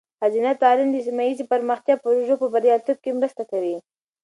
ښځینه تعلیم د سیمه ایزې پرمختیا پروژو په بریالیتوب کې مرسته کوي.